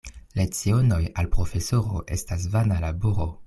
Lecionoj al profesoro estas vana laboro.